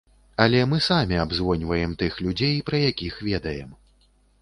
Але мы самі абзвоньваем тых людзей пра якіх ведаем.